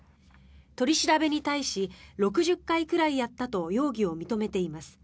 取り調べに対し６０回ぐらいやったと容疑を認めています。